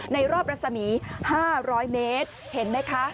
รอบรัศมี๕๐๐เมตรเห็นไหมคะ